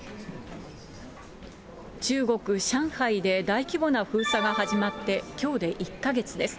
中国・上海で大規模な封鎖が始まってきょうで１か月です。